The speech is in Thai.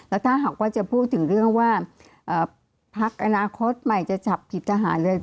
แล้วถ้าหากว่าจะพูดถึงเรื่องว่าพักอนาคตใหม่จะจับผิดทหารเลย